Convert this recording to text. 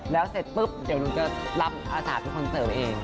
แล้วเสร็จปุ๊บเดี๋ยวหนูจะรับอาสาเป็นคนเสริมเอง